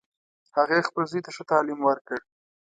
هغې خپل زوی ته ښه تعلیم ورکړ